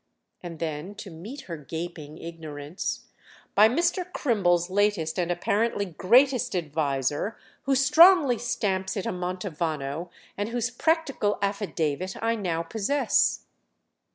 And then to meet her gaping ignorance: "By Mr. Crimble's latest and apparently greatest adviser, who strongly stamps it a Mantovano and whose practical affidavit I now possess."